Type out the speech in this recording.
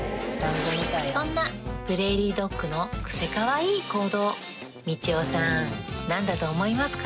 そんなプレーリードッグのクセかわいい行動みちおさん何だと思いますか？